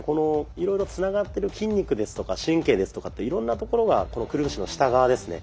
いろいろつながってる筋肉ですとか神経ですとかっていろんなところがこのくるぶしの下側ですね